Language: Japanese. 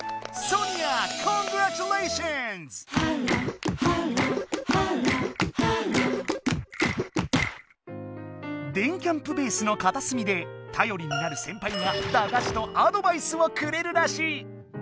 ソニア電キャんぷベースのかたすみでたよりになるセンパイがだがしとアドバイスをくれるらしい。